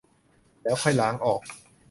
แล้วค่อยล้างออก